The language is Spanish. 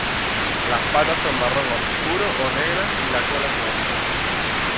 Las patas son marrón obscuro o negras y la cola es blanca.